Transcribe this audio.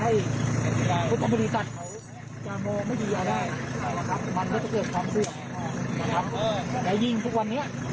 จะมองไม่ดีอะไรคือว่าครับมันก็จะเกิดความสู้ครับแต่ยิงทุกวันเนี้ย